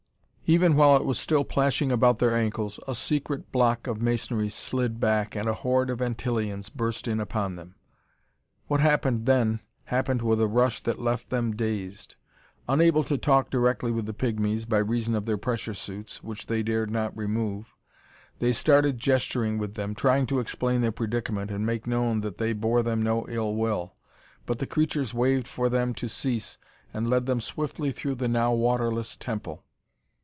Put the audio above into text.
Even while it was still plashing about their ankles, a secret block of masonry slid back and a horde of Antillians burst in upon them. What happened then, happened with a rush that left them dazed. Unable to talk directly with the pigmies, by reason of their pressure suits, which they dared not remove, they started gesturing with them, trying to explain their predicament and make known that they bore them no ill will, but the creatures waved for them to cease and led them swiftly through the now waterless temple.